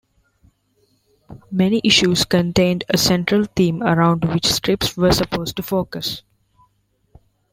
Many issues contained a central theme around which strips were supposed to focus.